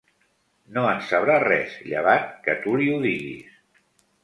No en sabrà res, llevat que tu li ho diguis.